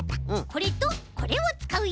これとこれをつかうよ。